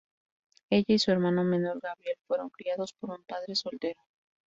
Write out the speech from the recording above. Ella y su hermano menor Gabriel fueron criados por un padre soltero.